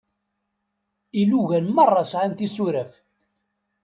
Ilugan merra sεan tisuraf.